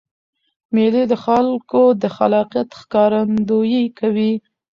مېلې د خلکو د خلاقیت ښکارندویي کوي.